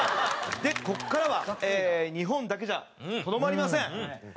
でここからは日本だけじゃとどまりません。